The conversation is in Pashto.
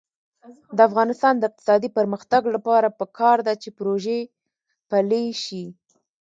د افغانستان د اقتصادي پرمختګ لپاره پکار ده چې پروژه پلي شي.